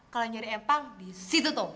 kalau nyari empang disitu tuh